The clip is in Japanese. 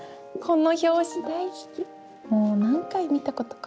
もう何回見たことか。